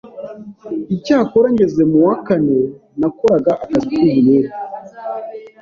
Icyakora ngeze mu wa kane nakoraga akazi k’ubuyede